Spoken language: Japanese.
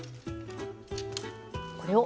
これを？